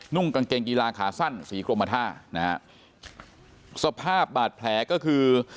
กางเกงกีฬาขาสั้นสีกรมท่านะฮะสภาพบาดแผลก็คือ